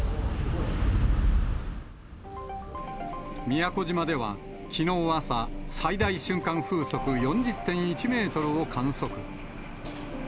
宮古島ではきのう朝、最大瞬間風速４０．１メートルを観測。